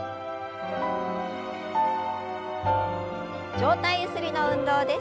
上体ゆすりの運動です。